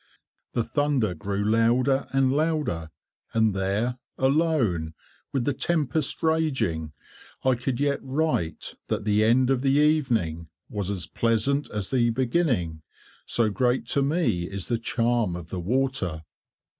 The thunder grew louder and louder, and there, alone, with the tempest raging, I could yet write that the end of the evening was as pleasant as the beginning, so great to me is the charm of the water.